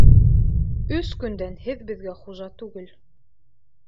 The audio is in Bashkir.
Өс көндән һеҙ беҙгә хужа түгел.